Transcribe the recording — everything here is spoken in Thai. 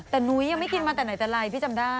แต่นุ้ยยังไม่กินมาแต่ไหนแต่ไรพี่จำได้